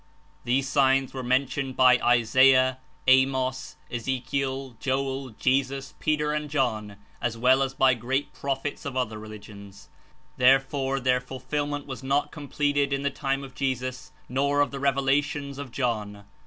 These signs were mentioned by Isaiah, Amos, Ezekiel, Joel, 26 Jesus, Peter and John, as well as by great prophets of other religions. Therefore, their fulfillment was not completed in the time of Jesus nor of the Revelations of John.